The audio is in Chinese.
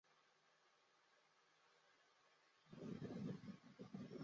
湖广戊子乡试。